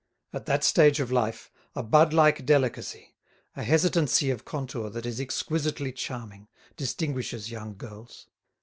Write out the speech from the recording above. At that stage of life a bud like delicacy, a hesitancy of contour that is exquisitely charming, distinguishes young girls.